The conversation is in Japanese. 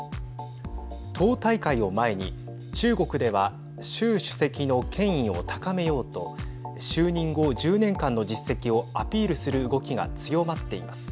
党大会を前に中国では習主席の権威を高めようと就任後１０年間の実績をアピールする動きが強まっています。